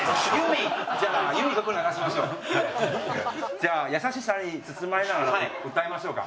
じゃあ『やさしさに包まれたなら』を歌いましょうか。